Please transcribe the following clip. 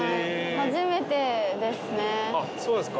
初めてですね。